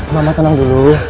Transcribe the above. mama tenang dulu